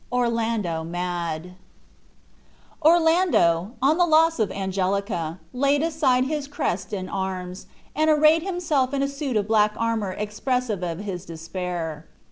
ORLANDO MAD Orlando, on the loss of Angelica, laid aside his crest and arms, and arrayed himself in a suit of black armor expressive of his despair.